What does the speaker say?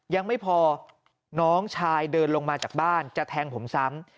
ยังไม่พอน้องชายเดินลงมาจากบ้านจะแทงผมซ้ำ